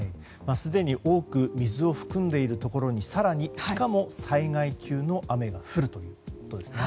すでに多く水を含んでいるところに更に、しかも災害級の雨が降るということですね。